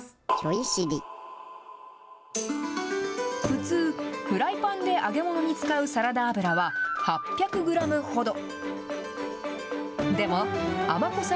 普通、フライパンで揚げ物に使うサラダ油は８００グラムほど。